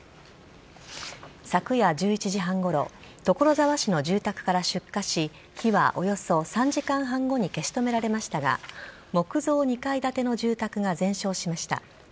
昨夜１１時半ごろ、所沢市の住宅から出火し、火はおよそ３時間半後に消し止められましたが、木造２階建ての住宅が全焼しました。